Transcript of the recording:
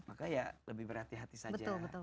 maka ya lebih berhati hati saja